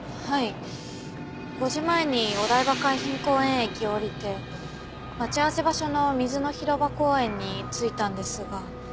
５時前にお台場海浜公園駅を降りて待ち合わせ場所の水の広場公園に着いたんですが。